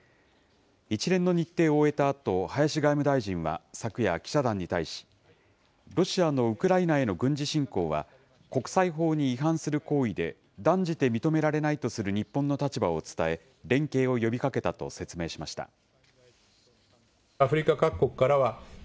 一連の日程を終えたあと、林外務大臣は昨夜、記者団に対し、ロシアのウクライナへの軍事侵攻は、国際法に違反する行為で、断じて認められないとする日本の立場を伝え、連携を呼びかけたと説明しました。